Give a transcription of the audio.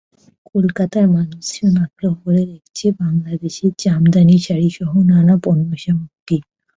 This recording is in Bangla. কলকাতার মানুষজন আগ্রহভরে দেখছে বাংলাদেশের জামদানি শাড়িসহ নানা পণ্যসামগ্রী।